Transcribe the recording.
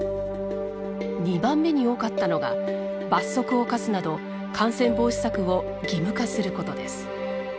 ２番目に多かったのが「罰則を科すなど感染防止策を義務化すること」です。